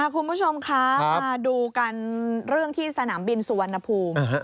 คุณผู้ชมคะมาดูกันเรื่องที่สนามบินสุวรรณภูมิ